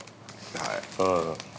はい。